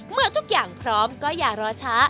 เมื่อทุกอย่างพร้อมก็อย่ารอช้า